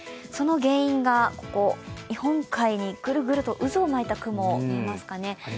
その原因がここ、日本海にぐるぐると渦を巻いた雲、見えますかね。